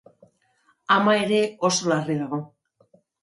Ama ere oso larri dago.